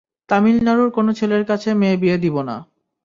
তামিলনাড়ুর কোন ছেলের কাছে মেয়ে বিয়ে দিবো না।